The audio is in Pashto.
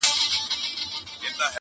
قاسم یار له زر پرستو بېل په دې سو,